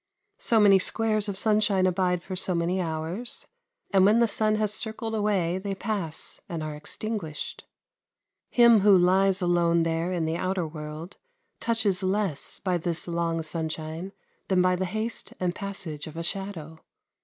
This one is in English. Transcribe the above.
So many squares of sunshine abide for so many hours, and when the sun has circled away they pass and are extinguished. Him who lies alone there the outer world touches less by this long sunshine than by the haste and passage of a shadow.